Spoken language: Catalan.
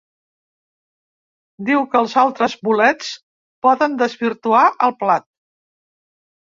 Diu que els altres bolets poden desvirtuar el plat.